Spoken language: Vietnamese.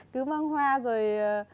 cứ mang hoa rồi